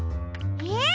えっ？